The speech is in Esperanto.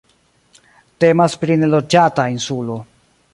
Temas pri neloĝata insulo.